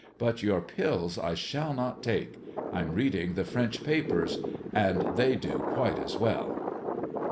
But your pills I shall not take. I'm reading the French papers, and they do quite as well.